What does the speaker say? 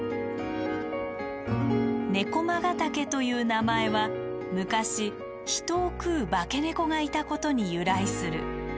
「猫魔ヶ岳という名前は昔人を食う化け猫がいたことに由来する。